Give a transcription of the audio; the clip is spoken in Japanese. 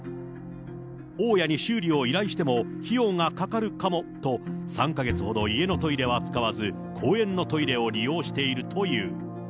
大家に修理を依頼しても、費用がかかるかもと、３か月ほど家のトイレは使わず、公園のトイレを利用しているという。